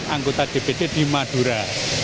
anggota dpc di madura